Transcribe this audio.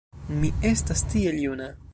Mi estas tiel juna!